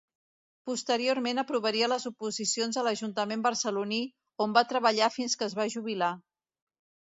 Posteriorment aprovaria les oposicions a l'ajuntament barceloní, on va treballar fins que es va jubilar.